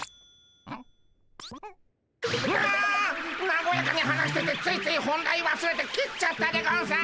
なごやかに話しててついつい本題わすれて切っちゃったでゴンス！